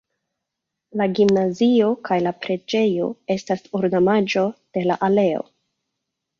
La gimnazio kaj la preĝejo estas ornamaĵo de la aleo.